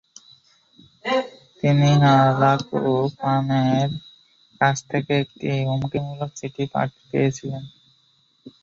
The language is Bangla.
তিনি হালাকু খানের কাছ থেকে একটি হুমকিমূলক চিঠি পেয়েছিলেন।